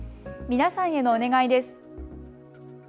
皆さんへのお願いです。